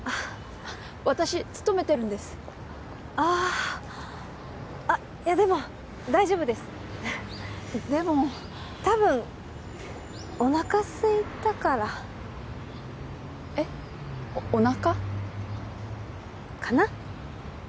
私勤めてるんですあああっでも大丈夫ですでもたぶんおなかすいたからえっおなか？かな？